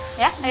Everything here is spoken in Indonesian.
cepet ya miss